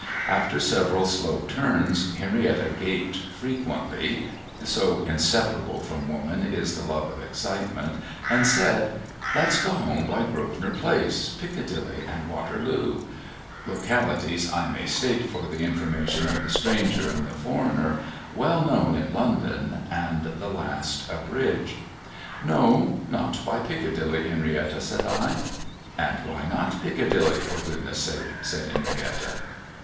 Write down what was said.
After several slow turns, Henrietta gaped frequently (so inseparable from woman is the love of excitement), and said, ' Let's go home by Grosvenor ANOTHER IMPOSTOR 311 Place, Piccadilly, and Waterloo '—localities, I may state for the information of the stranger and the foreigner, well known in London, and the last a Bridge. ' No. Not by Piccadilly, Henrietta,' said I. ' And why not Piccadilly, for goodness' sake ?' said Henrietta.